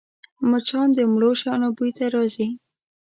مچان د مړو شیانو بوی ته راځي